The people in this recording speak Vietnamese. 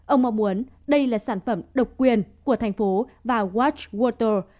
ông mong muốn đây là sản phẩm độc quyền của thành phố và watchwater